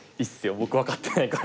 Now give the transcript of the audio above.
僕分かってないから。